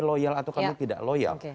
loyal atau karena tidak loyal